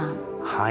はい。